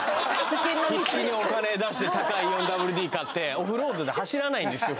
必死にお金出して高い４ＷＤ買ってオフロードで走らないんですよ